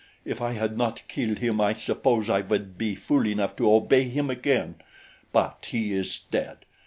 If I had not killed him, I suppose I would be fool enough to obey him again; but he is dead.